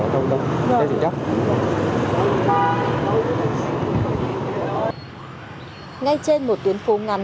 do rừng đỗ sai quy định